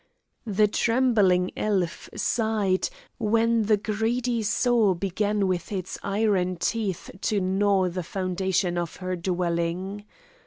The trembling elf sighed when the greedy saw began with its iron teeth to gnaw the foundations of her dwelling.